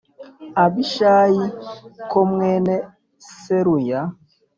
Abishayi k mwene Seruya